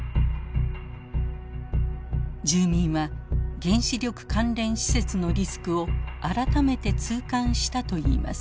住民は原子力関連施設のリスクを改めて痛感したといいます。